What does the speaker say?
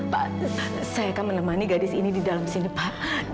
pak saya akan menemani gadis ini di dalam sini pak